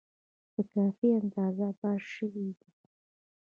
په کافي اندازه بحث شوی دی.